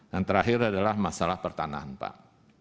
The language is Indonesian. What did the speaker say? yang terakhir adalah masalah pertanahan pak